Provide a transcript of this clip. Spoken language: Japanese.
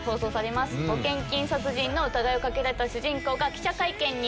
保険金殺人の疑いをかけられた主人公が記者会見に。